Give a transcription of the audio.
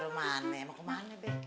rumahnya mau ke mana be